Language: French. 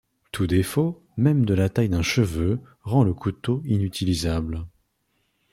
Tout défaut, même de la taille d'un cheveu, rend le couteau inutilisable.